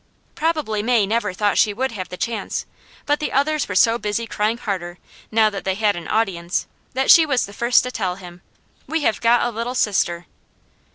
Probably May never thought she would have the chance, but the others were so busy crying harder, now that they had an audience, that she was first to tell him: "We have got a little sister."